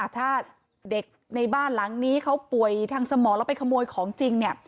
ถ้าเด็กในบ้านหลังนี้เขาป่วยทางสมองแล้วไปขโมยของจริงเนี่ย